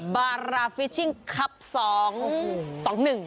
บาราฟิชิงครับสองสองหนึ่ง